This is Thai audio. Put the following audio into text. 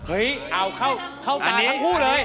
เอ้ยเอาเข้าต่างทั้งคู่เลย